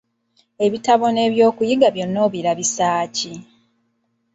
Ebitabo n'ebyokuyiga byonna obirabisa ki?